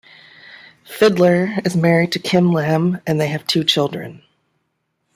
Fidler is married to Khym Lam and they have two children.